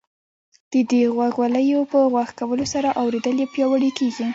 د دې غوږوالیو په غوږ کولو سره اورېدل یې پیاوړي کیږي.